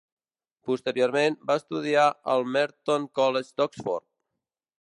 Posteriorment, va estudiar al Merton College d'Oxford.